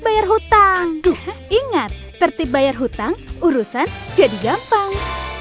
bayar hutang ingat tertib bayar hutang urusan jadi gampang